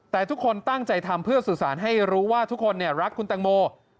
แต่ทุกคนตั้งใจทำเพื่อสื่อสารให้รู้ว่าทุกคนรักคุณแตงโม